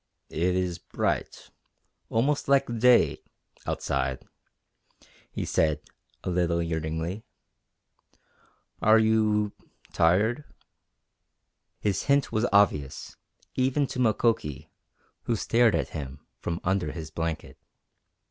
"It is bright almost like day outside," he said a little yearningly. "Are you tired?" His hint was obvious, even to Mukoki, who stared at him from under his blanket.